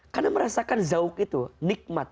karena merasakan zauk itu nikmat